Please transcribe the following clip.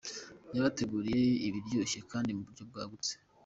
Yabateguriye ibiryoshye kandi mu buryo bwagutse.